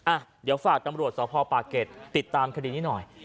อ่ะเดี๋ยวฝากตำรวจสพปากเกร็ดติดตามคดีนี้หน่อย